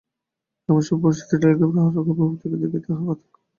এমন সময় পরিচিত টেলিগ্রাফের হরকরা ভূপতিকে দেখিয়া তাহার হাতে একখানা টেলিগ্রাফ লইয়া দিল।